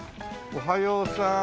おはようさん。